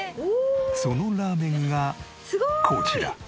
そのラーメンがこちら。